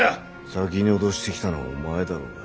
先に脅してきたのはお前だろうが。